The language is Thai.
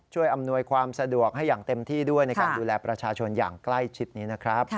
อำนวยความสะดวกให้อย่างเต็มที่ด้วยในการดูแลประชาชนอย่างใกล้ชิดนี้นะครับ